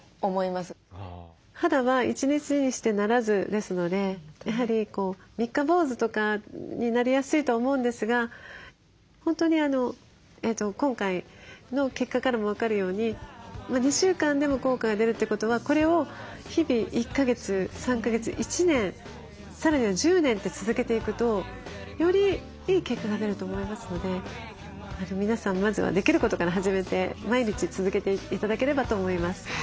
「肌は１日にして成らず」ですのでやはり三日坊主とかになりやすいと思うんですが本当に今回の結果からも分かるように２週間でも効果が出るということはこれを日々１か月３か月１年さらには１０年って続けていくとよりいい結果が出ると思いますので皆さんまずはできることから始めて毎日続けて頂ければと思います。